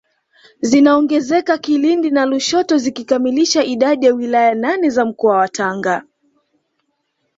zinaongezeka Kilindi na Lushoto zikikamilisha idadi ya wilaya nane za mkoa wa Tanga